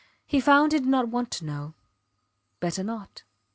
He found he did not want to know. Better not.